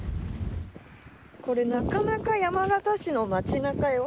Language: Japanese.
これ、なかなか山形市の町なかよ。